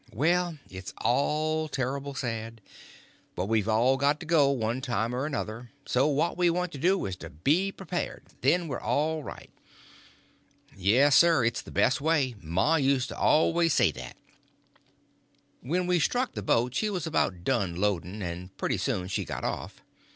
"Well, it's all terrible sad; but we've all got to go, one time or another. So what we want to do is to be prepared; then we're all right." "Yes, sir, it's the best way. Ma used to always say that." When we struck the boat she was about done loading, and pretty soon she got off.